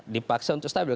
dipaksa untuk stabil